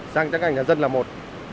sang các nhà dân là một